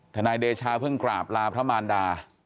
นายเดชาเพิ่งกราบลาพระมารดา